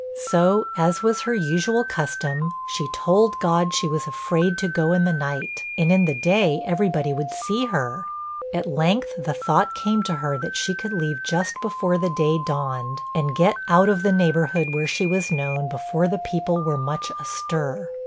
So, as was her usual custom, she 'told God she was afraid to go in the night, and in the day every body would see her.' At length, the thought came to her that she could leave just before the day dawned, and get out of the neighborhood where she was known before the people were much astir.